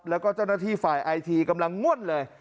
แล้วก็เจ้าหน้าที่ฝ่ายไอทีกำลังง่วนเลย